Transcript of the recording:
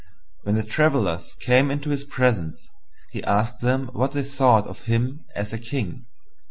When the Travellers came into his presence he asked them what they thought of him as a King.